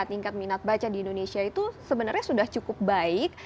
tingkat minat baca di indonesia itu sebenarnya sudah cukup baik